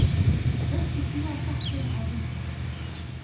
لستُ سوى شخص عاديّ.